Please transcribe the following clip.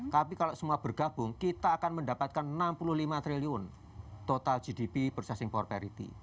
tapi kalau semua bergabung kita akan mendapatkan enam puluh lima triliun total gdp purchasing powerperity